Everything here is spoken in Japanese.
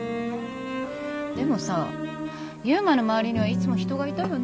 でもさ悠磨の周りにはいつも人がいたよね。